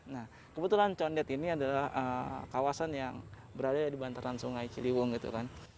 nah kebetulan condet ini adalah kawasan yang berada di bantaran sungai ciliwung gitu kan